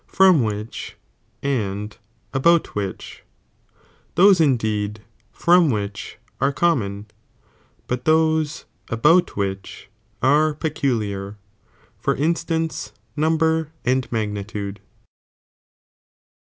rom which and aboM vikkh, those indeed fTom which are common,^ but those about tehieh are peculiar, for instance, number and magnitude.